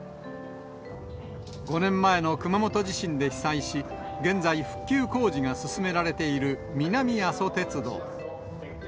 ５年前の熊本地震で被災し、現在、復旧工事が進められている、南阿蘇鉄道。